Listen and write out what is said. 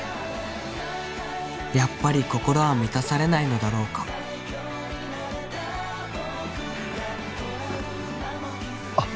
やっぱり心は満たされないのだろうかあっ